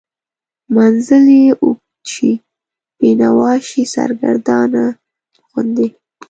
منزل یې اوږد شي، بینوا شي، سرګردانه غوندې